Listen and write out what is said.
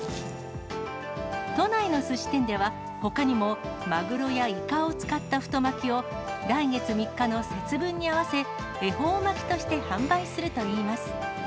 都内のすし店では、ほかにもマグロやイカを使った太巻きを、来月３日の節分に合わせ、恵方巻きとして販売するといいます。